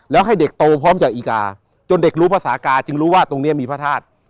แล้วให้เด็กโตพร้อมจากอีกาจนเด็กรู้ภาษากาจึงรู้ว่าตรงนี้มีพระธาตุ